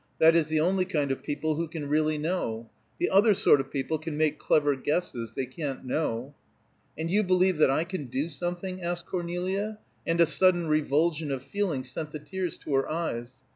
"That is the only kind of people who can really know. The other sort of people can make clever guesses; they can't know." "And you believe that I can do something?" asked Cornelia, and a sudden revulsion of feeling sent the tears to her eyes.